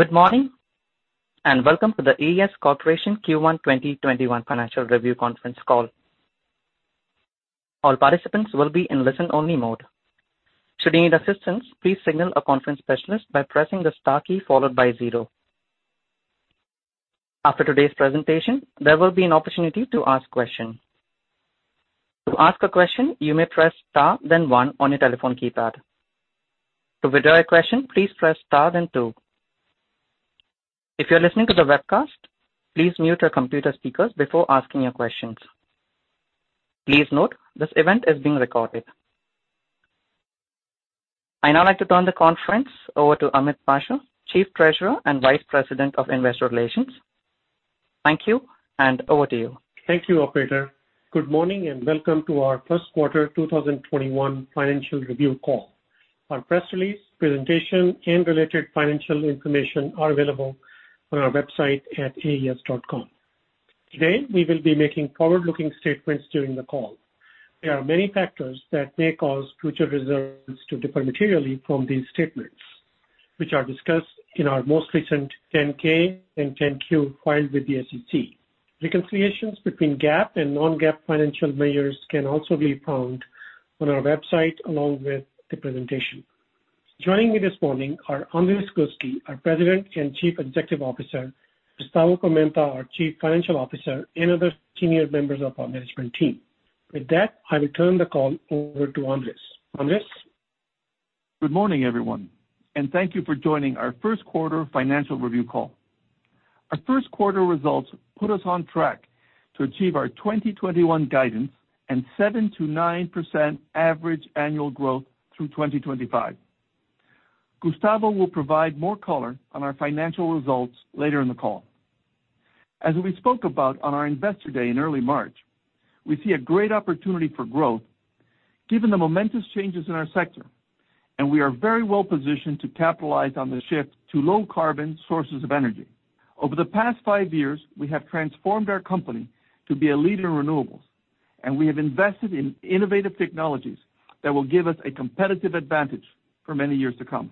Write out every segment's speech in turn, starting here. Good morning, welcome to The AES Corporation Q1 2021 Financial Review conference call. All participants will be in listen-only mode. Should you need assistance, please signal a conference specialist by pressing the star key followed by zero. After today's presentation, there will be an opportunity to ask questions. To ask a question, you may press star then one on your telephone keypad. To withdraw your question, please press star then two. If you are listening to the webcast, please mute your computer speakers before asking your questions. Please note this event is being recorded. I'd now like to turn the conference over to Ahmed Pasha, Chief Treasurer and Vice President of Investor Relations. Thank you, over to you. Thank you, operator. Good morning. Welcome to our first quarter 2021 financial review call. Our press release, presentation, and related financial information are available on our website at aes.com. Today, we will be making forward-looking statements during the call. There are many factors that may cause future results to differ materially from these statements, which are discussed in our most recent 10-K and 10-Q filed with the SEC. Reconciliations between GAAP and non-GAAP financial measures can also be found on our website along with the presentation. Joining me this morning are Andrés Gluski, our President and Chief Executive Officer, Gustavo Pimenta, our Chief Financial Officer, and other senior members of our management team. With that, I will turn the call over to Andrés. Andrés? Good morning, everyone, and thank you for joining our first quarter financial review call. Our first quarter results put us on track to achieve our 2021 guidance and 7%-9% average annual growth through 2025. Gustavo will provide more color on our financial results later in the call. As we spoke about on our investor day in early March, we see a great opportunity for growth given the momentous changes in our sector, and we are very well-positioned to capitalize on the shift to low-carbon sources of energy. Over the past five years, we have transformed our company to be a leader in renewables, and we have invested in innovative technologies that will give us a competitive advantage for many years to come.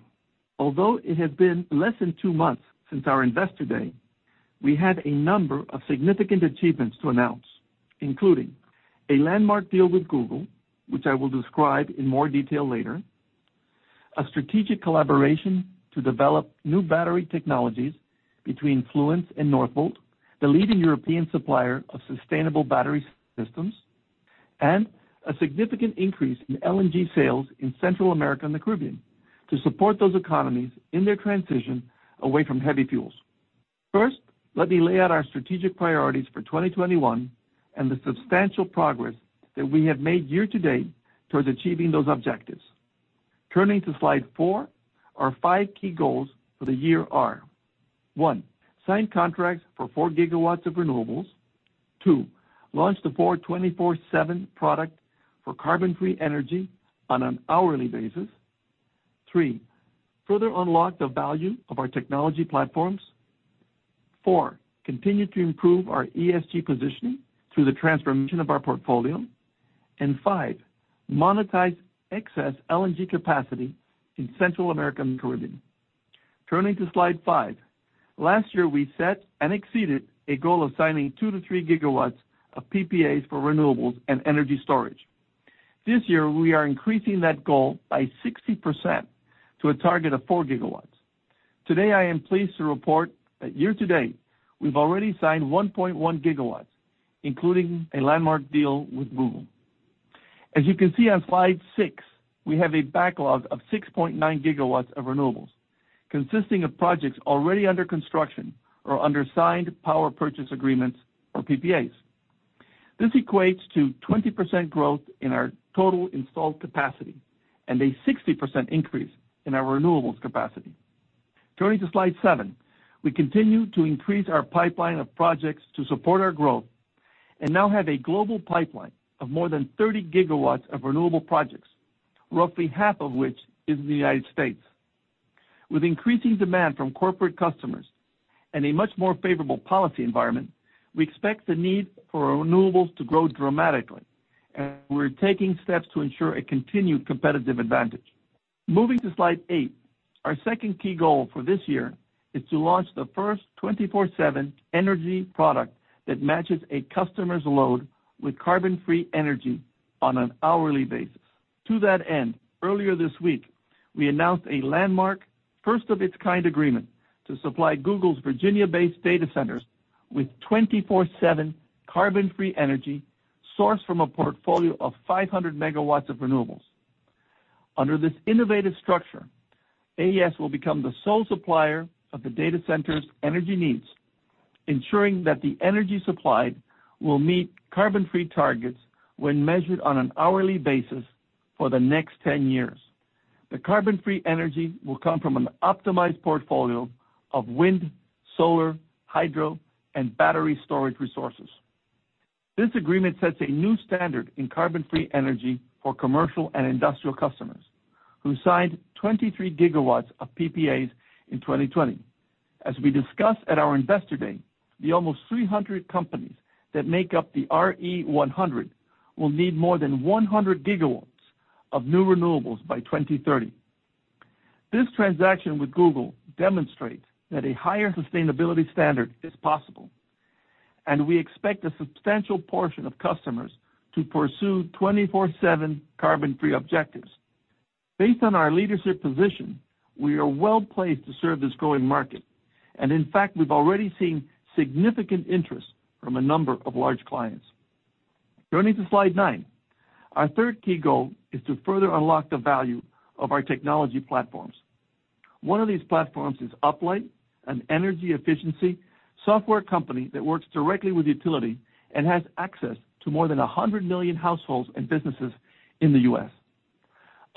Although it has been less than two months since our investor day, we had a number of significant achievements to announce, including a landmark deal with Google, which I will describe in more detail later, a strategic collaboration to develop new battery technologies between Fluence and Northvolt, the leading European supplier of sustainable battery systems, and a significant increase in LNG sales in Central America and the Caribbean to support those economies in their transition away from heavy fuels. First, let me lay out our strategic priorities for 2021 and the substantial progress that we have made year-to-date towards achieving those objectives. Turning to slide four, our five key goals for the year are: one, sign contracts for 4 GW of renewables. Two, launch the forward 24/7 product for carbon-free energy on an hourly basis. Three, further unlock the value of our technology platforms. Four, continue to improve our ESG positioning through the transformation of our portfolio. Five, monetize excess LNG capacity in Central America and the Caribbean. Turning to slide five. Last year, we set and exceeded a goal of signing 2-3 GW of PPAs for renewables and energy storage. This year, we are increasing that goal by 60% to a target of 4 GW. Today, I am pleased to report that year-to-date, we've already signed 1.1 GW, including a landmark deal with Google. As you can see on slide six, we have a backlog of 6.9 GW of renewables, consisting of projects already under construction or under signed Power Purchase Agreements or PPAs. This equates to 20% growth in our total installed capacity and a 60% increase in our renewables capacity. Turning to slide seven. We continue to increase our pipeline of projects to support our growth and now have a global pipeline of more than 30 GW of renewable projects, roughly half of which is in the U.S. With increasing demand from corporate customers and a much more favorable policy environment, we expect the need for renewables to grow dramatically. We're taking steps to ensure a continued competitive advantage. Moving to slide eight, our second key goal for this year is to launch the first 24/7 energy product that matches a customer's load with carbon-free energy on an hourly basis. To that end, earlier this week, we announced a landmark, first-of-its-kind agreement to supply Google's Virginia-based data centers with 24/7 carbon-free energy sourced from a portfolio of 500 MW of renewables. Under this innovative structure, AES will become the sole supplier of the data center's energy needs, ensuring that the energy supplied will meet carbon-free targets when measured on an hourly basis for the next 10 years. The carbon-free energy will come from an optimized portfolio of wind, solar, hydro, and battery storage resources. This agreement sets a new standard in carbon-free energy for commercial and industrial customers who signed 23 GW of PPAs in 2020. As we discussed at our investor day, the almost 300 companies that make up the RE100 will need more than 100 GW of new renewables by 2030. This transaction with Google demonstrates that a higher sustainability standard is possible, and we expect a substantial portion of customers to pursue 24/7 carbon-free objectives. Based on our leadership position, we are well-placed to serve this growing market. In fact, we've already seen significant interest from a number of large clients. Turning to slide nine. Our third key goal is to further unlock the value of our technology platforms. One of these platforms is Uplight, an energy efficiency software company that works directly with utility and has access to more than 100 million households and businesses in the U.S.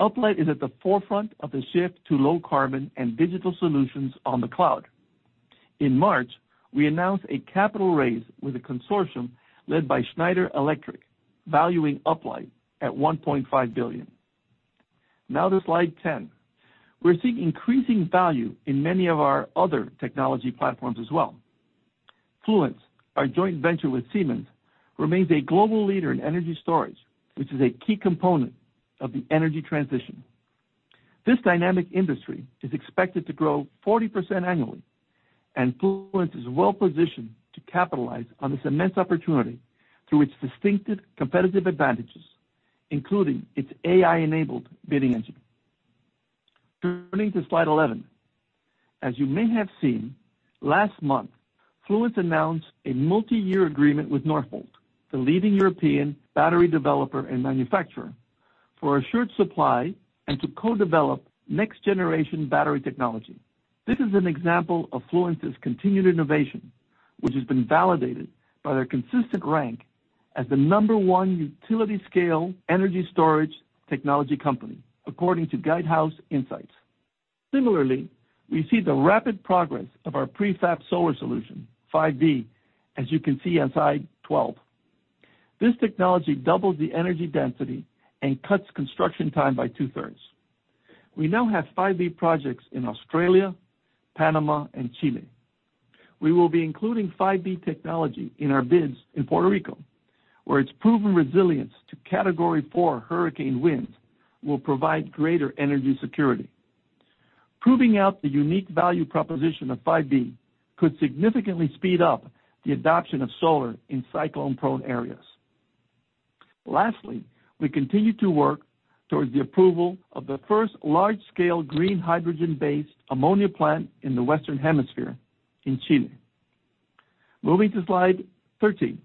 Uplight is at the forefront of the shift to low carbon and digital solutions on the cloud. In March, we announced a capital raise with a consortium led by Schneider Electric, valuing Uplight at $1.5 billion. To slide 10. We're seeing increasing value in many of our other technology platforms as well. Fluence, our joint venture with Siemens, remains a global leader in energy storage, which is a key component of the energy transition. This dynamic industry is expected to grow 40% annually, and Fluence is well-positioned to capitalize on this immense opportunity through its distinctive competitive advantages, including its AI-enabled bidding engine. Turning to slide 11. As you may have seen, last month, Fluence announced a multi-year agreement with Northvolt, the leading European battery developer and manufacturer, for assured supply and to co-develop next-generation battery technology. This is an example of Fluence's continued innovation, which has been validated by their consistent rank as the number one utility scale energy storage technology company, according to Guidehouse Insights. Similarly, we see the rapid progress of our prefab solar solution, 5B, as you can see on slide 12. This technology doubles the energy density and cuts construction time by two-thirds. We now have 5B projects in Australia, Panama, and Chile. We will be including 5B technology in our bids in Puerto Rico, where its proven resilience to Category 4 hurricane winds will provide greater energy security. Proving out the unique value proposition of 5B could significantly speed up the adoption of solar in cyclone-prone areas. We continue to work towards the approval of the first large-scale green hydrogen-based ammonia plant in the Western Hemisphere in Chile. Moving to slide 13.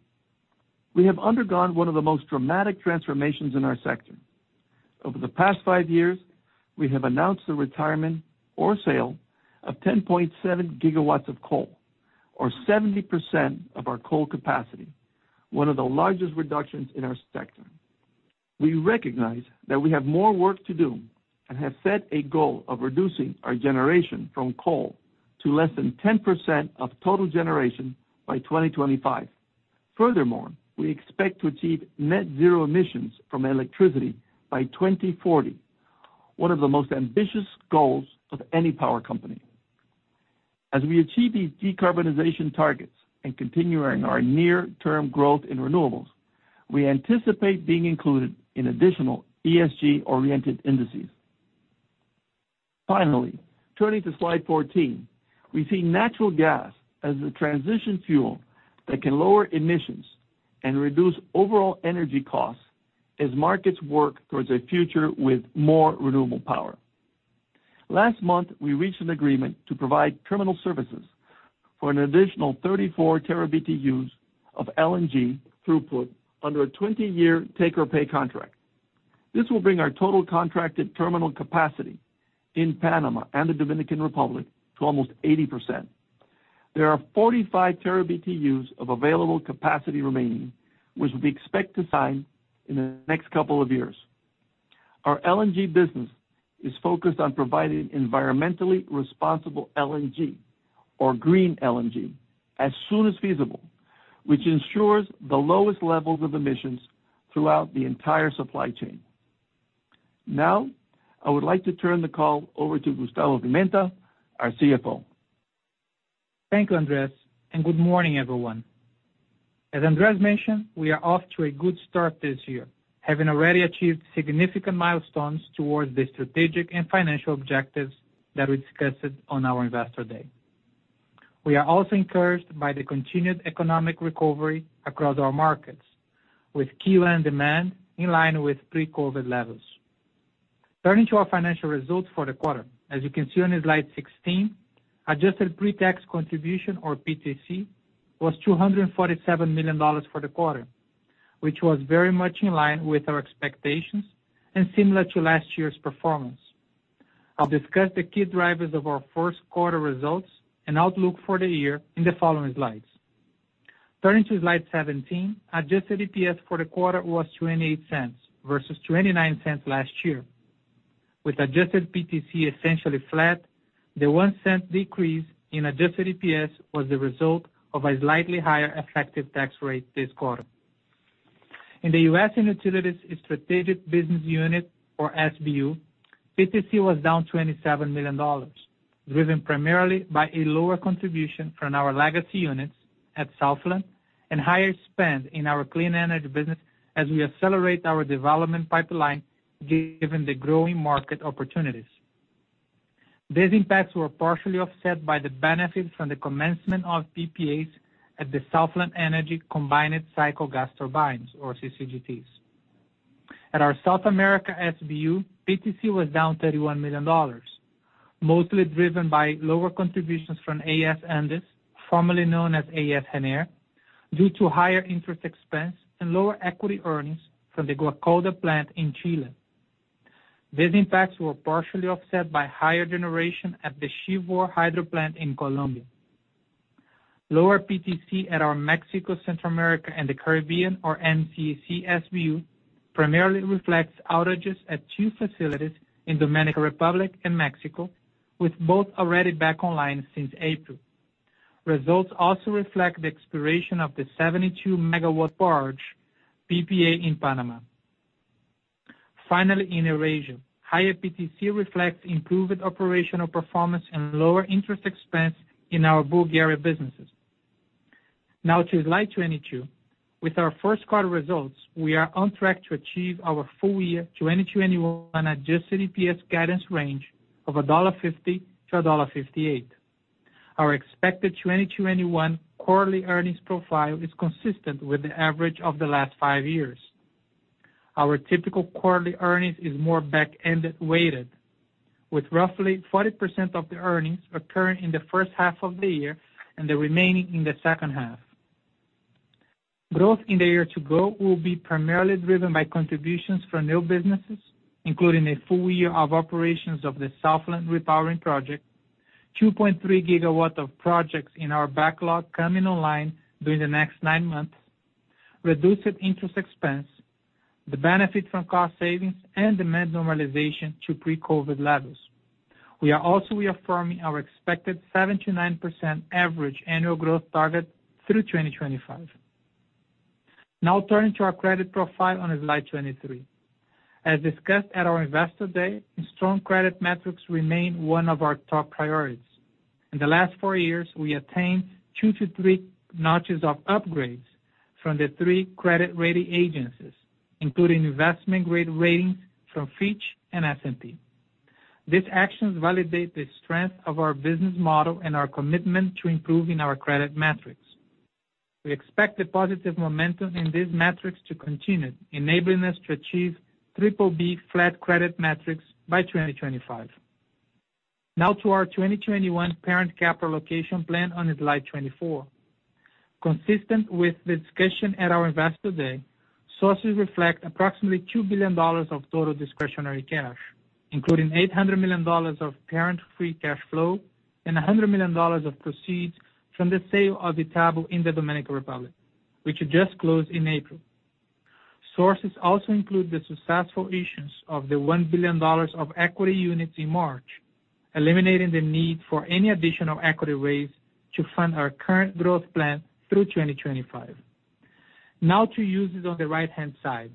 We have undergone one of the most dramatic transformations in our sector. Over the past five years, we have announced the retirement or sale of 10.7 GW of coal, or 70% of our coal capacity, one of the largest reductions in our sector. We recognize that we have more work to do and have set a goal of reducing our generation from coal to less than 10% of total generation by 2025. Furthermore, we expect to achieve net zero emissions from electricity by 2040, one of the most ambitious goals of any power company. As we achieve these decarbonization targets and continuing our near-term growth in renewables, we anticipate being included in additional ESG-oriented indices. Finally, turning to slide 14. We see natural gas as a transition fuel that can lower emissions and reduce overall energy costs as markets work towards a future with more renewable power. Last month, we reached an agreement to provide terminal services for an additional 34 TBtu of LNG throughput under a 20-year take-or-pay contract. This will bring our total contracted terminal capacity in Panama and the Dominican Republic to almost 80%. There are 45 TBtu of available capacity remaining, which we expect to sign in the next couple of years. Our LNG business is focused on providing environmentally responsible LNG, or green LNG, as soon as feasible, which ensures the lowest levels of emissions throughout the entire supply chain. Now, I would like to turn the call over to Gustavo Pimenta, our CFO. Thank you, Andrés, and good morning, everyone. As Andrés mentioned, we are off to a good start this year, having already achieved significant milestones towards the strategic and financial objectives that we discussed on our investor day. We are also encouraged by the continued economic recovery across our markets, with key demand in line with pre-COVID levels. Turning to our financial results for the quarter. As you can see on slide 16, adjusted pre-tax contribution or PTC was $247 million for the quarter, which was very much in line with our expectations and similar to last year's performance. I'll discuss the key drivers of our first quarter results and outlook for the year in the following slides. Turning to slide 17, adjusted EPS for the quarter was $0.28 versus $0.29 last year. With adjusted PTC essentially flat, the $0.01 decrease in adjusted EPS was the result of a slightly higher effective tax rate this quarter. In the U.S. and Utilities Strategic Business Unit or SBU, PTC was down $27 million, driven primarily by a lower contribution from our legacy units at Southland Energy and higher spend in our clean energy business as we accelerate our development pipeline given the growing market opportunities. These impacts were partially offset by the benefits from the commencement of PPAs at the Southland Energy Combined Cycle Gas Turbines or CCGTs. At our South America SBU, PTC was down $31 million, mostly driven by lower contributions from AES Andes, formerly known as AES Gener, due to higher interest expense and lower equity earnings from the Guacolda plant in Chile. These impacts were partially offset by higher generation at the Chivor hydroplant in Colombia. Lower PTC at our Mexico, Central America, and the Caribbean, or MCAC SBU, primarily reflects outages at two facilities in Dominican Republic and Mexico, with both already back online since April. Results also reflect the expiration of the 72 MW barge PPA in Panama. Finally, in Eurasia, higher PTC reflects improved operational performance and lower interest expense in our Bulgaria businesses. Now to slide 22. With our first quarter results, we are on track to achieve our full year 2021 adjusted EPS guidance range of $1.50 to $1.58. Our expected 2021 quarterly earnings profile is consistent with the average of the last five years. Our typical quarterly earnings is more back-ended weighted, with roughly 40% of the earnings occurring in the first half of the year and the remaining in the second half. Growth in the year to go will be primarily driven by contributions from new businesses, including a full year of operations of Southland Energy, 2.3 GW of projects in our backlog coming online during the next nine months, reduced interest expense, the benefit from cost savings, and demand normalization to pre-COVID levels. We are also reaffirming our expected 7%-9% average annual growth target through 2025. Now turning to our credit profile on slide 23. As discussed at our Investor Day, strong credit metrics remain one of our top priorities. In the last four years, we attained two-three notches of upgrades from the three credit rating agencies, including investment-grade ratings from Fitch and S&P. These actions validate the strength of our business model and our commitment to improving our credit metrics. We expect the positive momentum in these metrics to continue, enabling us to achieve BBB flat credit metrics by 2025. To our 2021 parent capital allocation plan on slide 24. Consistent with the discussion at our Investor Day, sources reflect approximately $2 billion of total discretionary cash, including $800 million of parent free cash flow and $100 million of proceeds from the sale of Itabo in the Dominican Republic, which just closed in April. Sources also include the successful issuance of the $1 billion of equity units in March, eliminating the need for any additional equity raise to fund our current growth plan through 2025. To uses on the right-hand side.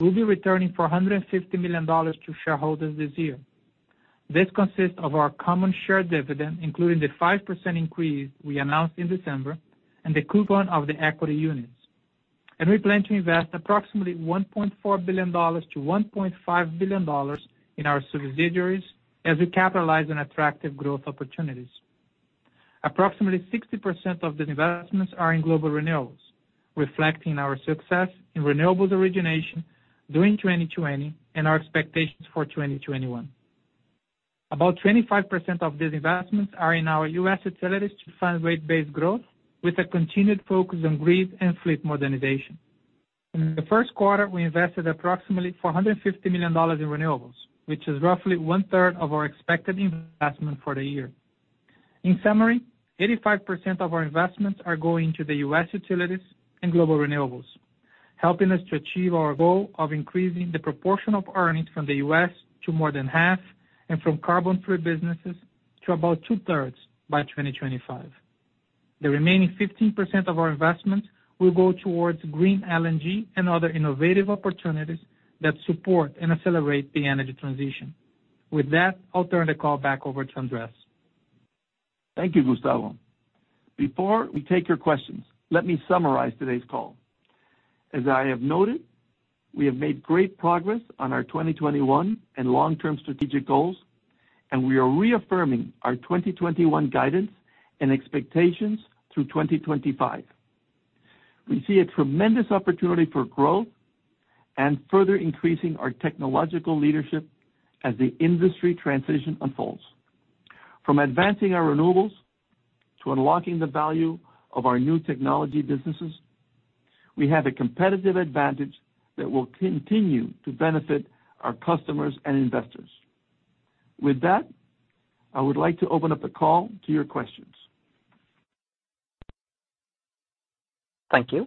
We'll be returning $450 million to shareholders this year. This consists of our common share dividend, including the 5% increase we announced in December, and the coupon of the equity units. We plan to invest approximately $1.4 billion-$1.5 billion in our subsidiaries as we capitalize on attractive growth opportunities. Approximately 60% of these investments are in global renewables, reflecting our success in renewables origination during 2020 and our expectations for 2021. About 25% of these investments are in our U.S. utilities to fund rate base growth with a continued focus on grid and fleet modernization. In the first quarter, we invested approximately $450 million in renewables, which is roughly 1/3 of our expected investment for the year. In summary, 85% of our investments are going to the U.S. utilities and global renewables, helping us to achieve our goal of increasing the proportion of earnings from the U.S. to more than half, and from carbon-free businesses to about two-thirds by 2025. The remaining 15% of our investments will go towards green LNG and other innovative opportunities that support and accelerate the energy transition. With that, I'll turn the call back over to Andrés. Thank you, Gustavo. Before we take your questions, let me summarize today's call. As I have noted, we have made great progress on our 2021 and long-term strategic goals, and we are reaffirming our 2021 guidance and expectations through 2025. We see a tremendous opportunity for growth and further increasing our technological leadership as the industry transition unfolds. From advancing our renewables to unlocking the value of our new technology businesses, we have a competitive advantage that will continue to benefit our customers and investors. With that, I would like to open up the call to your questions. Thank you.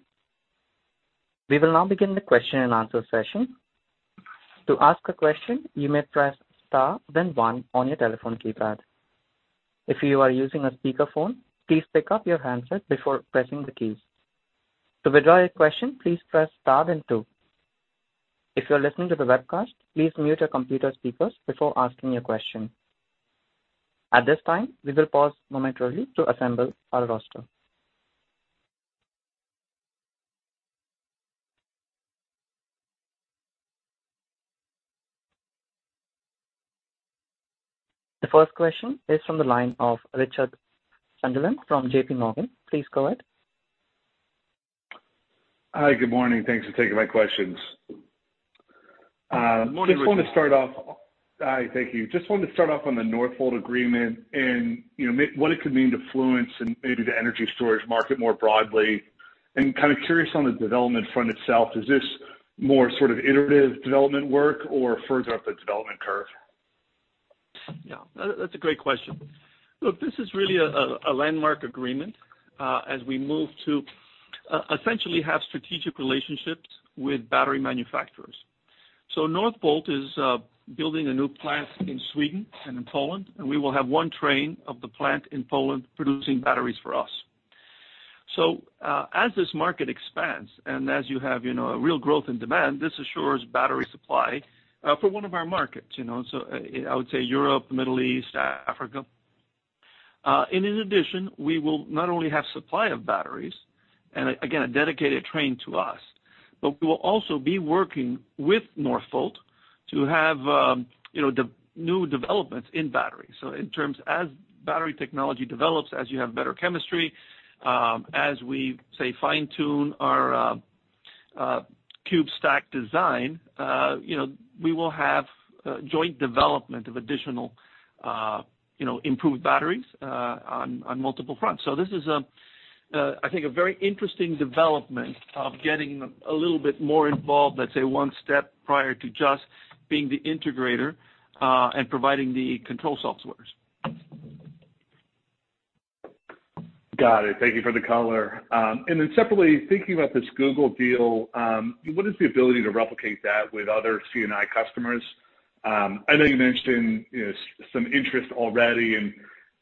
We will now begin the question and answer session. At this time, we will pause momentarily to assemble our roster. The first question is from the line of Richard Sunderland from JPMorgan. Please go ahead. Hi, good morning. Thanks for taking my questions. Good morning, Richard. Hi. Thank you. Just wanted to start off on the Northvolt agreement and what it could mean to Fluence and maybe the energy storage market more broadly, and kind of curious on the development front itself. Is this more sort of iterative development work or further up the development curve? Yeah, that's a great question. Look, this is really a landmark agreement as we move to essentially have strategic relationships with battery manufacturers. Northvolt is building a new plant in Sweden and in Poland, and we will have one train of the plant in Poland producing batteries for us. As this market expands and as you have a real growth in demand, this assures battery supply for one of our markets, I would say Europe, Middle East, Africa. In addition, we will not only have supply of batteries, and again, a dedicated train to us, but we will also be working with Northvolt to have the new developments in batteries. In terms as battery technology develops, as you have better chemistry, as we, say, fine-tune our cube stack design, we will have joint development of additional improved batteries on multiple fronts. This is, I think, a very interesting development of getting a little bit more involved, let's say, one step prior to just being the integrator, and providing the control softwares. Got it. Thank you for the color. Separately, thinking about this Google deal, what is the ability to replicate that with other C&I customers? I know you mentioned some interest already.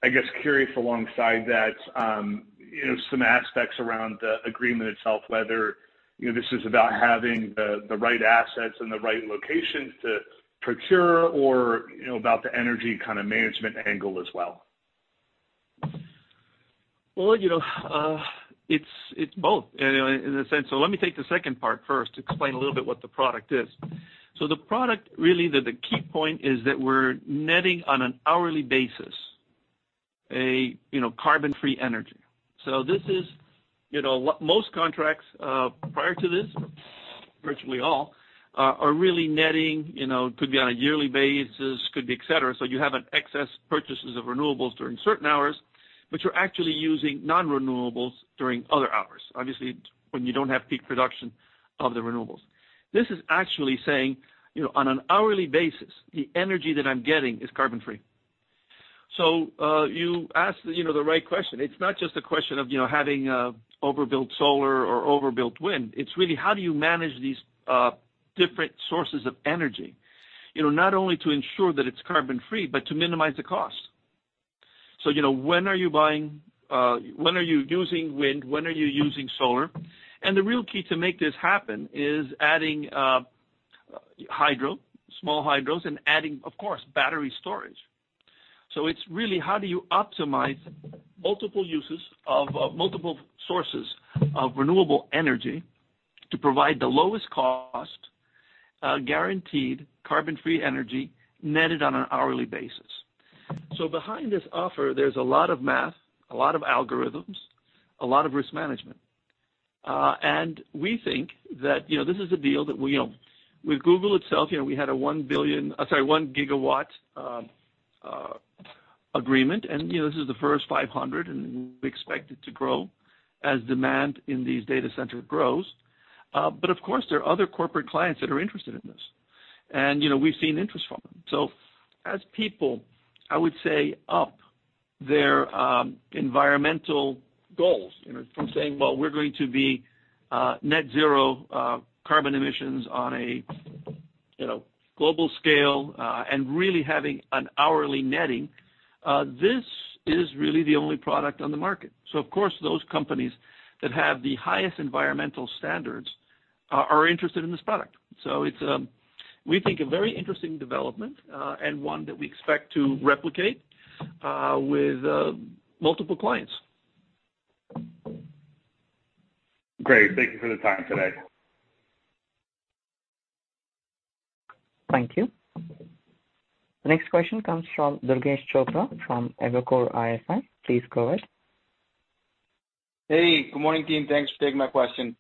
I guess curious alongside that, some aspects around the agreement itself, whether this is about having the right assets and the right locations to procure or about the energy kind of management angle as well. It's both in a sense. Let me take the second part first to explain a little bit what the product is. The product, really the key point is that we're netting on an hourly basis a carbon-free energy. Most contracts prior to this, virtually all, are really netting, could be on a yearly basis, could be et cetera. You have an excess purchases of renewables during certain hours, but you're actually using non-renewables during other hours, obviously, when you don't have peak production of the renewables. This is actually saying, on an hourly basis, the energy that I'm getting is carbon-free. You asked the right question. It's not just a question of having overbuilt solar or overbuilt wind. It's really how do you manage these different sources of energy, not only to ensure that it's carbon-free, but to minimize the cost. When are you using wind? When are you using solar? The real key to make this happen is adding hydro, small hydros, and adding, of course, battery storage. It's really how do you optimize multiple uses of multiple sources of renewable energy to provide the lowest cost, guaranteed carbon-free energy netted on an hourly basis. Behind this offer, there's a lot of math, a lot of algorithms, a lot of risk management. We think that this is a deal that with Google itself, we had a 1 GW agreement, and this is the first 500 MW, and we expect it to grow as demand in these data centers grows. Of course, there are other corporate clients that are interested in this, and we've seen interest from them. As people, I would say, up their environmental goals from saying, "Well, we're going to be net zero carbon emissions on a global scale," and really having an hourly netting, this is really the only product on the market. Of course, those companies that have the highest environmental standards are interested in this product. It's, we think, a very interesting development, and one that we expect to replicate with multiple clients. Great. Thank you for the time today. Thank you. Next question comes from Durgesh Chopra from Evercore ISI. Please go ahead. Hey, good morning, team. Thanks for taking my question.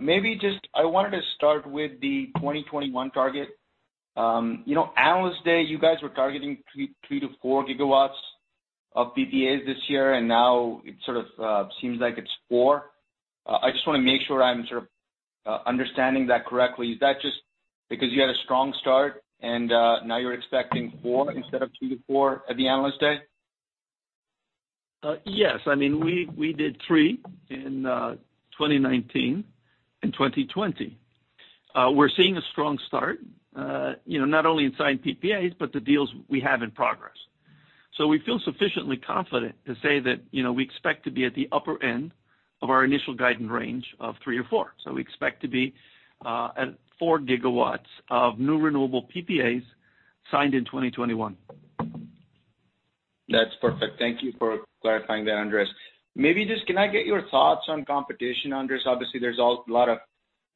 Maybe just, I wanted to start with the 2021 target. Analyst Day, you guys were targeting 3 GW-4 GW of PPAs this year, and now it sort of seems like it's 4. I just want to make sure I'm sort of understanding that correctly. Is that just because you had a strong start and now you're expecting 4 instead of 2-4 at the Analyst Day? Yes. We did 3 GW in 2019 and 2020. We're seeing a strong start, not only in signed PPAs, but the deals we have in progress. We feel sufficiently confident to say that we expect to be at the upper end of our initial guidance range of three or four. We expect to be at 4 GW of new renewable PPAs signed in 2021. That's perfect. Thank you for clarifying that, Andrés. Maybe just can I get your thoughts on competition, Andrés? Obviously, there's a lot of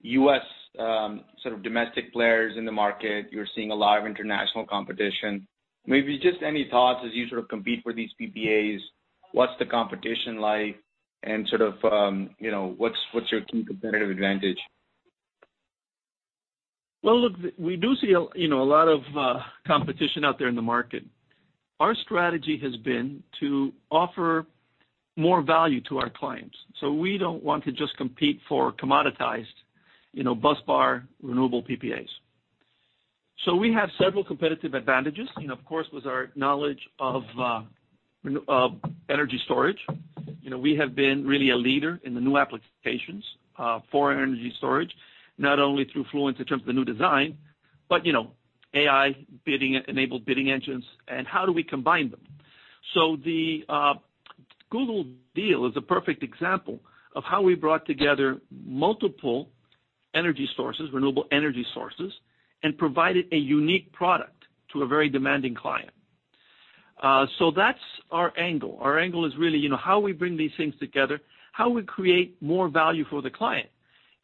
U.S. sort of domestic players in the market. You're seeing a lot of international competition. Maybe just any thoughts as you sort of compete with these PPAs, what's the competition like and sort of what's your key competitive advantage? Well, look, we do see a lot of competition out there in the market. Our strategy has been to offer more value to our clients. We don't want to just compete for commoditized busbar renewable PPAs. We have several competitive advantages, of course, with our knowledge of energy storage. We have been really a leader in the new applications for energy storage, not only through Fluence in terms of the new design, but AI, enabled bidding engines, and how do we combine them. The Google deal is a perfect example of how we brought together multiple energy sources, renewable energy sources, and provided a unique product to a very demanding client. That's our angle. Our angle is really how we bring these things together, how we create more value for the client.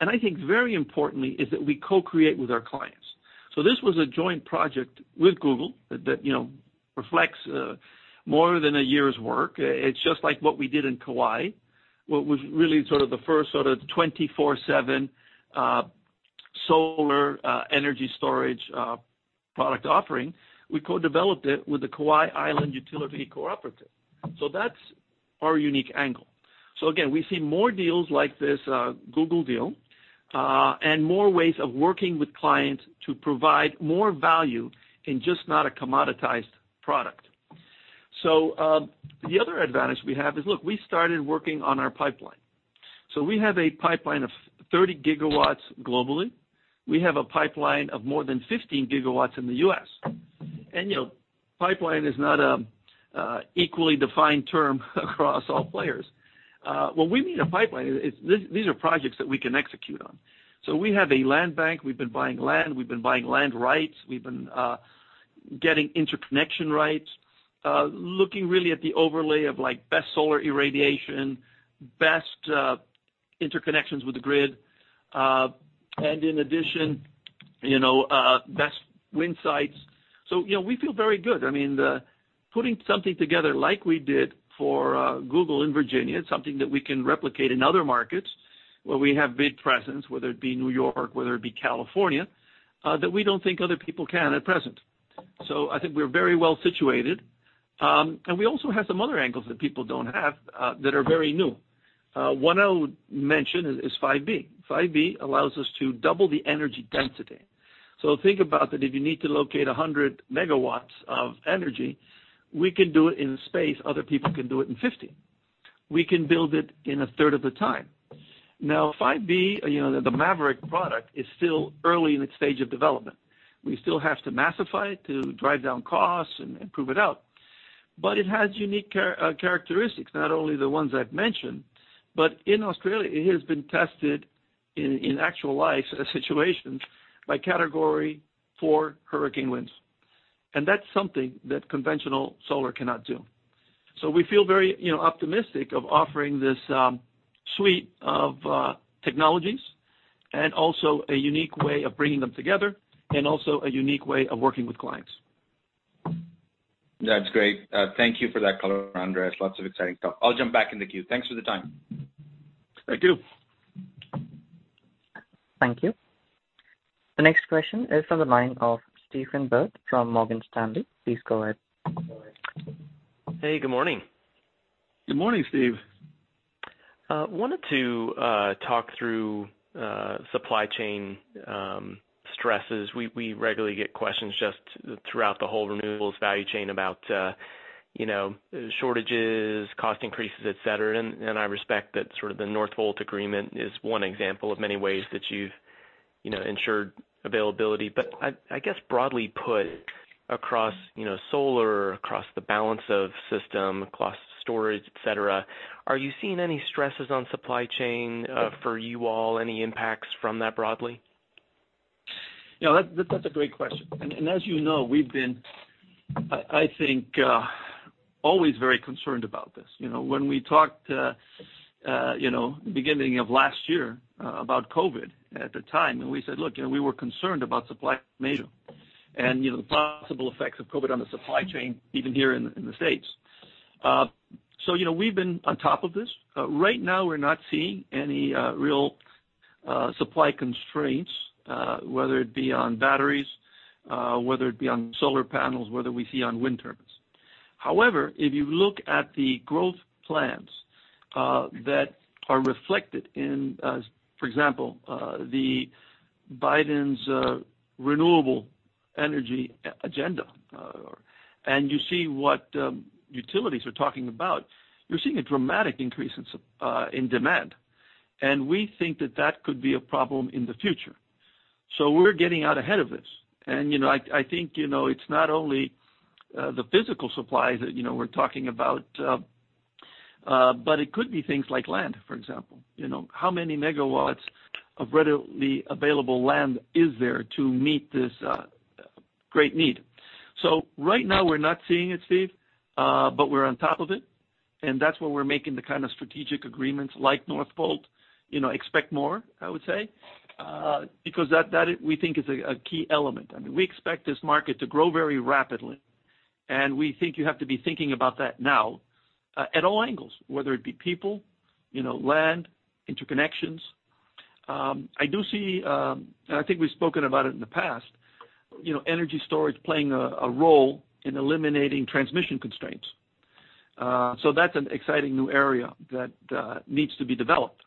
I think very importantly is that we co-create with our clients. This was a joint project with Google that reflects more than a year's work. It's just like what we did in Kauaʻi, what was really the first 24/7 solar energy storage product offering. We co-developed it with the Kauaʻi Island Utility Cooperative. That's our unique angle. Again, we see more deals like this Google deal, and more ways of working with clients to provide more value in just not a commoditized product. The other advantage we have is, look, we started working on our pipeline. We have a pipeline of 30 GW globally. We have a pipeline of more than 15 GW in the U.S. Pipeline is not an equally defined term across all players. When we mean a pipeline, these are projects that we can execute on. We have a land bank. We've been buying land. We've been buying land rights. We've been getting interconnection rights. Looking really at the overlay of best solar irradiation, best interconnections with the grid, and in addition, best wind sites. We feel very good. Putting something together like we did for Google in Virginia, something that we can replicate in other markets where we have big presence, whether it be New York, whether it be California, that we don't think other people can at present. I think we're very well-situated. We also have some other angles that people don't have, that are very new. One I would mention is 5B. 5B allows us to double the energy density. Think about that if you need to locate 100 MW of energy, we can do it in the space other people can do it in 50. We can build it in 1/3 of the time. 5B, the 5B Maverick product, is still early in its stage of development. We still have to massify it to drive down costs and prove it out. It has unique characteristics, not only the ones I've mentioned, but in Australia, it has been tested in actual life situations by Category 4 hurricane winds. That's something that conventional solar cannot do. We feel very optimistic of offering this suite of technologies and also a unique way of bringing them together and also a unique way of working with clients. That's great. Thank you for that color, Andrés. Lots of exciting stuff. I'll jump back in the queue. Thanks for the time. Thank you. Thank you. The next question is from the line of Stephen Byrd from Morgan Stanley. Please go ahead. Hey, good morning. Good morning, Steve. Wanted to talk through supply chain stresses. We regularly get questions just throughout the whole renewables value chain about shortages, cost increases, et cetera. I respect that sort of the Northvolt agreement is one example of many ways that you've ensured availability. I guess broadly put across solar, across the balance of system, across storage, et cetera, are you seeing any stresses on supply chain for you all? Any impacts from that broadly? That's a great question. As you know, we've been, I think, always very concerned about this. When we talked, beginning of last year, about COVID at the time, and we said, look, we were concerned about supply chain and the possible effects of COVID on the supply chain, even here in the U.S. We've been on top of this. Right now, we're not seeing any real supply constraints, whether it be on batteries, whether it be on solar panels, whether we see on wind turbines. However, if you look at the growth plans that are reflected in, for example, Biden's renewable energy agenda. You see what utilities are talking about. You're seeing a dramatic increase in demand. We think that that could be a problem in the future. We're getting out ahead of this. I think it's not only the physical supply that we're talking about, but it could be things like land, for example. How many megawatts of readily available land is there to meet this great need? Right now we're not seeing it, Steve, but we're on top of it, and that's why we're making the kind of strategic agreements like Northvolt. Expect more, I would say, because that we think is a key element. We expect this market to grow very rapidly, and we think you have to be thinking about that now at all angles, whether it be people, land, interconnections. I do see, and I think we've spoken about it in the past, energy storage playing a role in eliminating transmission constraints. That's an exciting new area that needs to be developed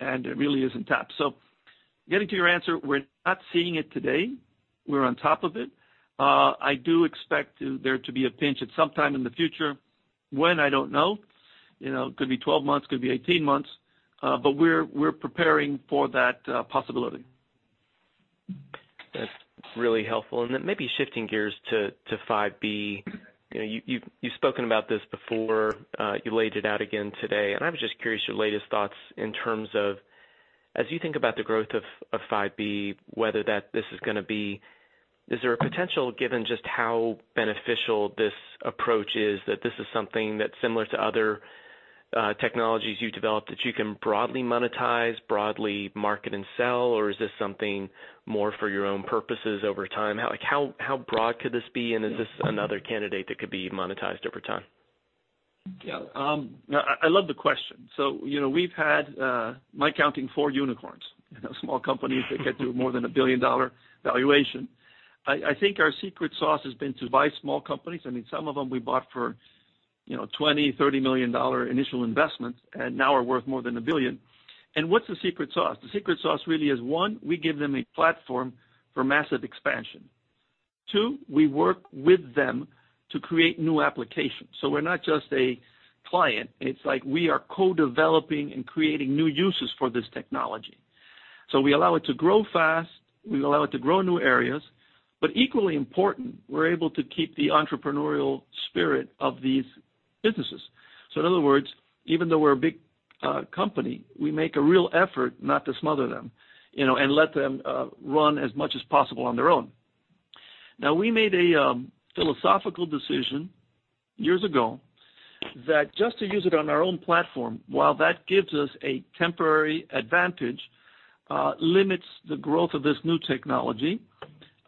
and really is untapped. Getting to your answer, we're not seeing it today. We're on top of it. I do expect there to be a pinch at some time in the future. When, I don't know. Could be 12 months, could be 18 months. We're preparing for that possibility. That's really helpful. Then maybe shifting gears to 5B. You've spoken about this before, you laid it out again today, and I was just curious your latest thoughts in terms of, as you think about the growth of 5B, is there a potential, given just how beneficial this approach is, that this is something that's similar to other technologies you developed that you can broadly monetize, broadly market and sell, or is this something more for your own purposes over time? How broad could this be, and is this another candidate that could be monetized over time? Yeah. I love the question. We've had, my counting, four unicorns. Small companies that get to more than a billion-dollar valuation. I think our secret sauce has been to buy small companies. Some of them we bought for $20 million, $30 million initial investment and now are worth more than $1 billion. What's the secret sauce? The secret sauce really is, one, we give them a platform for massive expansion. Two, we work with them to create new applications. We're not just a client. It's like we are co-developing and creating new uses for this technology. We allow it to grow fast, we allow it to grow in new areas. Equally important, we're able to keep the entrepreneurial spirit of these businesses. In other words, even though we're a big company, we make a real effort not to smother them, and let them run as much as possible on their own. We made a philosophical decision years ago that just to use it on our own platform, while that gives us a temporary advantage, limits the growth of this new technology.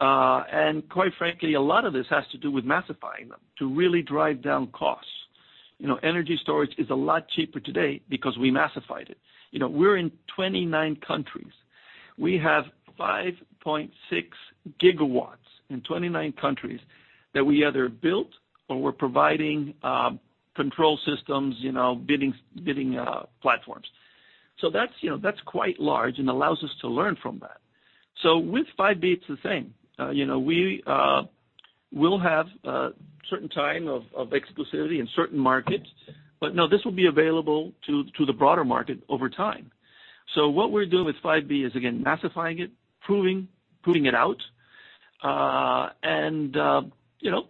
Quite frankly, a lot of this has to do with massifying them to really drive down costs. Energy storage is a lot cheaper today because we massified it. We're in 29 countries. We have 5.6 GW in 29 countries that we either built or we're providing control systems, bidding platforms. That's quite large and allows us to learn from that. With 5B, it's the same. We'll have a certain time of exclusivity in certain markets. No, this will be available to the broader market over time. What we're doing with 5B is again, massifying it, proving, putting it out.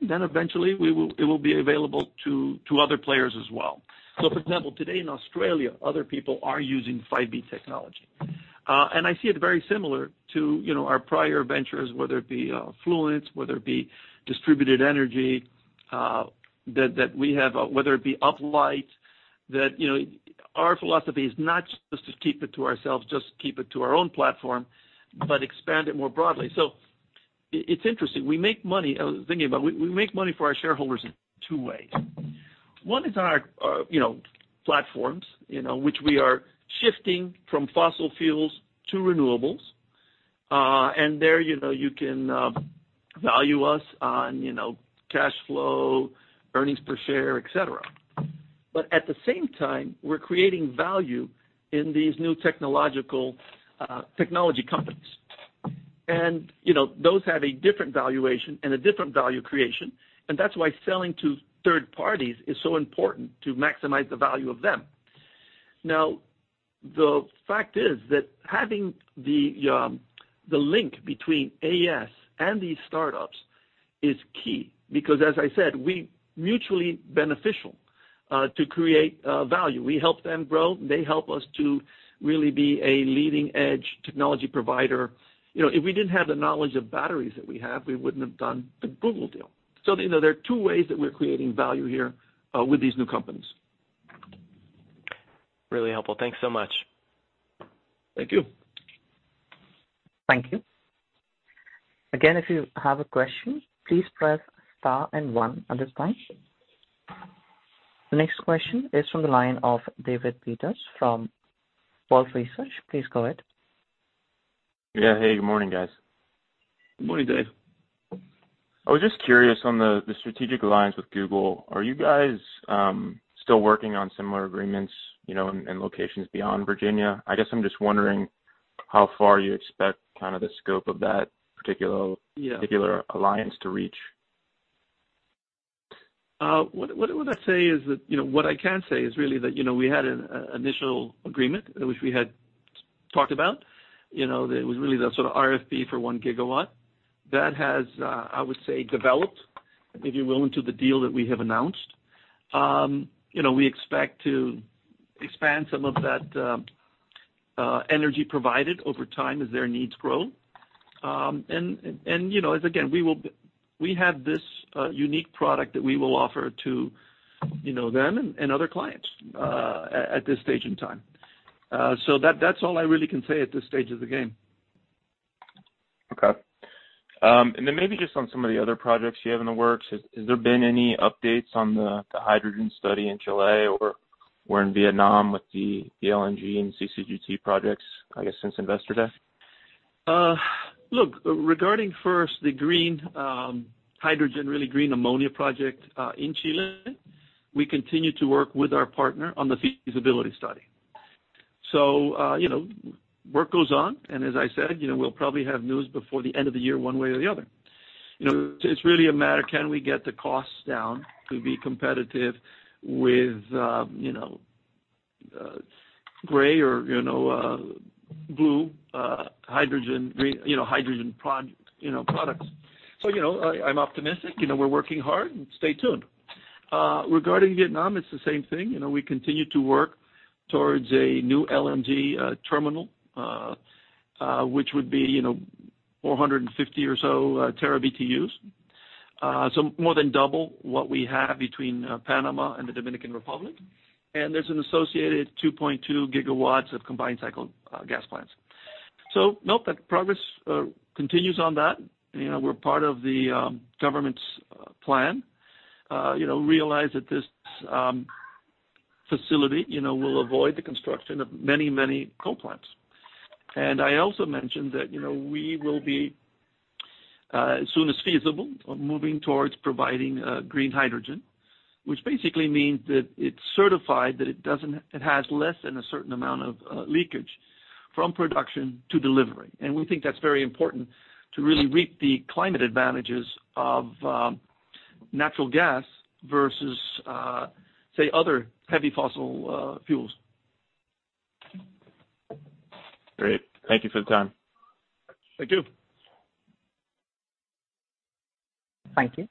Then eventually it will be available to other players as well. For example, today in Australia, other people are using 5B technology. I see it very similar to our prior ventures, whether it be Fluence, whether it be distributed energy, that we have, whether it be Uplight, that our philosophy is not just to keep it to ourselves, just keep it to our own platform, expand it more broadly. It's interesting. We make money, I was thinking about it, we make money for our shareholders in two ways. One is on our platforms, which we are shifting from fossil fuels to renewables. There you can value us on cash flow, earnings per share, et cetera. At the same time, we're creating value in these new technology companies. Those have a different valuation and a different value creation, and that's why selling to third parties is so important to maximize the value of them. The fact is that having the link between AES and these startups is key, because as I said, we mutually beneficial to create value. We help them grow. They help us to really be a leading-edge technology provider. If we didn't have the knowledge of batteries that we have, we wouldn't have done the Google deal. There are two ways that we're creating value here with these new companies. Really helpful. Thanks so much. Thank you. Thank you. Again, if you have a question, please press star one at this time. The next question is from the line of David Peters from Wolfe Research. Please go ahead. Yeah. Hey, good morning, guys. Good morning, Dave. I was just curious on the strategic alliance with Google. Are you guys still working on similar agreements in locations beyond Virginia? I guess I'm just wondering how far you expect the scope of that particular alliance to reach. What I can say is really that we had an initial agreement, which we had talked about. That was really that sort of RFP for 1 GW. That has, I would say, developed, if you will, into the deal that we have announced. We expect to expand some of that energy provided over time as their needs grow. Again, we have this unique product that we will offer to them and other clients at this stage in time. That's all I really can say at this stage of the game. Okay. Maybe just on some of the other projects you have in the works, has there been any updates on the hydrogen study in Chile or in Vietnam with the LNG and CCGT projects, I guess, since Investor Day? Regarding first the green hydrogen, really green ammonia project, in Chile, we continue to work with our partner on the feasibility study. Work goes on, and as I said, we'll probably have news before the end of the year one way or the other. It's really a matter of can we get the costs down to be competitive with gray or blue hydrogen products. I'm optimistic. We're working hard. Stay tuned. Regarding Vietnam, it's the same thing. We continue to work towards a new LNG terminal, which would be 450 or so TBtu. More than double what we have between Panama and the Dominican Republic. There's an associated 2.2 GW of combined cycle gas plants. Nope, that progress continues on that. We're part of the government's plan. Realize that this facility will avoid the construction of many coal plants. I also mentioned that we will be, as soon as feasible, moving towards providing green hydrogen, which basically means that it's certified that it has less than a certain amount of leakage from production to delivery. We think that's very important to really reap the climate advantages of natural gas versus, say, other heavy fossil fuels. Great. Thank you for the time. Thank you. Thank you.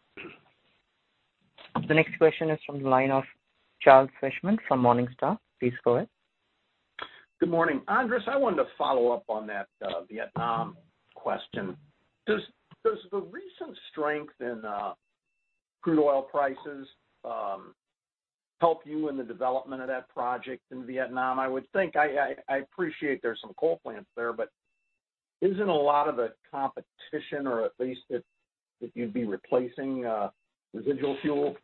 The next question is from the line of Charles Fishman from Morningstar. Please go ahead. Good morning. Andrés, I wanted to follow up on that Vietnam question. Does the recent strength in crude oil prices help you in the development of that project in Vietnam? I appreciate there's some coal plants there, but isn't a lot of the competition or at least that you'd be replacing residual fuel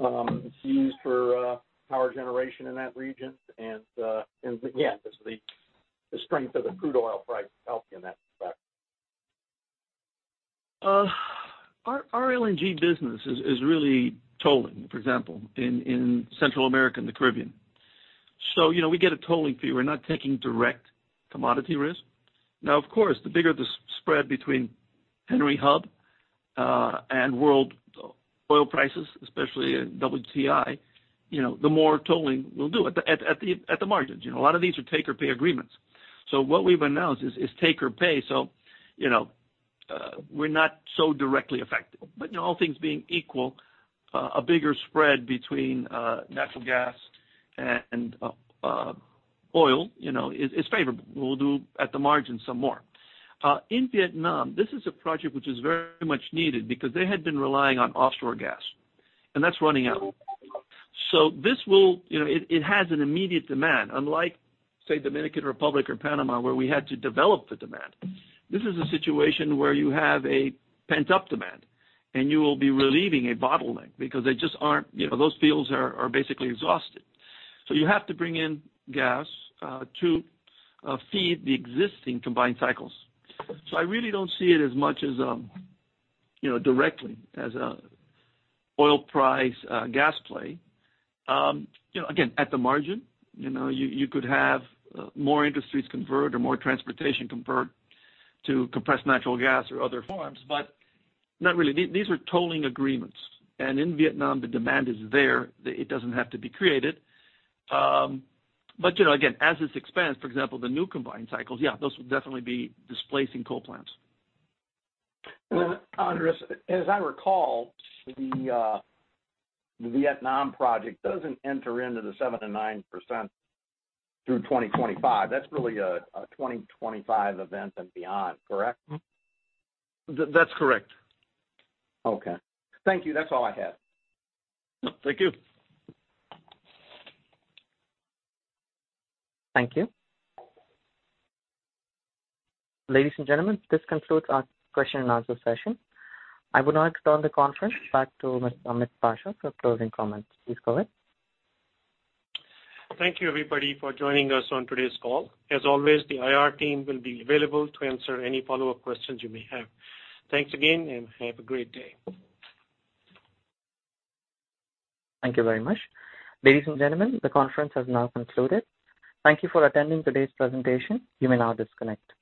that's used for power generation in that region? Again, does the strength of the crude oil price help you in that respect? Our LNG business is really tolling, for example, in Central America and the Caribbean. We get a tolling fee. We're not taking direct commodity risk. Of course, the bigger the spread between Henry Hub, and world oil prices, especially in WTI, the more tolling we'll do at the margins. A lot of these are take or pay agreements. What we've announced is take-or-pay. We're not so directly affected. All things being equal, a bigger spread between natural gas and oil is favorable. We'll do at the margin some more. In Vietnam, this is a project which is very much needed because they had been relying on offshore gas, and that's running out. It has an immediate demand, unlike, say, Dominican Republic or Panama, where we had to develop the demand. This is a situation where you have a pent-up demand, and you will be relieving a bottleneck because those fields are basically exhausted. You have to bring in gas to feed the existing combined cycles. I really don't see it as much as directly as a oil price gas play. Again, at the margin, you could have more industries convert or more transportation convert to compressed natural gas or other forms, but not really. These are tolling agreements. In Vietnam, the demand is there. It doesn't have to be created. Again, as this expands, for example, the new combined cycles, yeah, those will definitely be displacing coal plants. Andrés, as I recall, the Vietnam project doesn't enter into the 7% and 9% through 2025. That's really a 2025 event and beyond, correct? That's correct. Okay. Thank you. That's all I had. Thank you. Thank you. Ladies and gentlemen, this concludes our question and answer session. I would now turn the conference back to Mr. Ahmed Pasha for closing comments. Please go ahead. Thank you, everybody, for joining us on today's call. As always, the IR team will be available to answer any follow-up questions you may have. Thanks again, and have a great day. Thank you very much. Ladies and gentlemen, the conference has now concluded. Thank you for attending today's presentation. You may now disconnect.